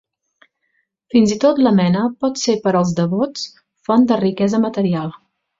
Fins i tot l'amena pot ser per als devots font de riquesa material.